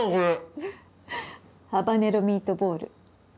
ハバネロミートボール